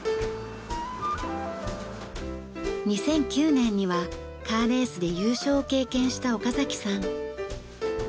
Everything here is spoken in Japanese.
２００９年にはカーレースで優勝を経験した岡さん。